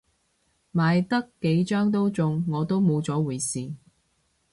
買得幾張都中，我都冇咗回事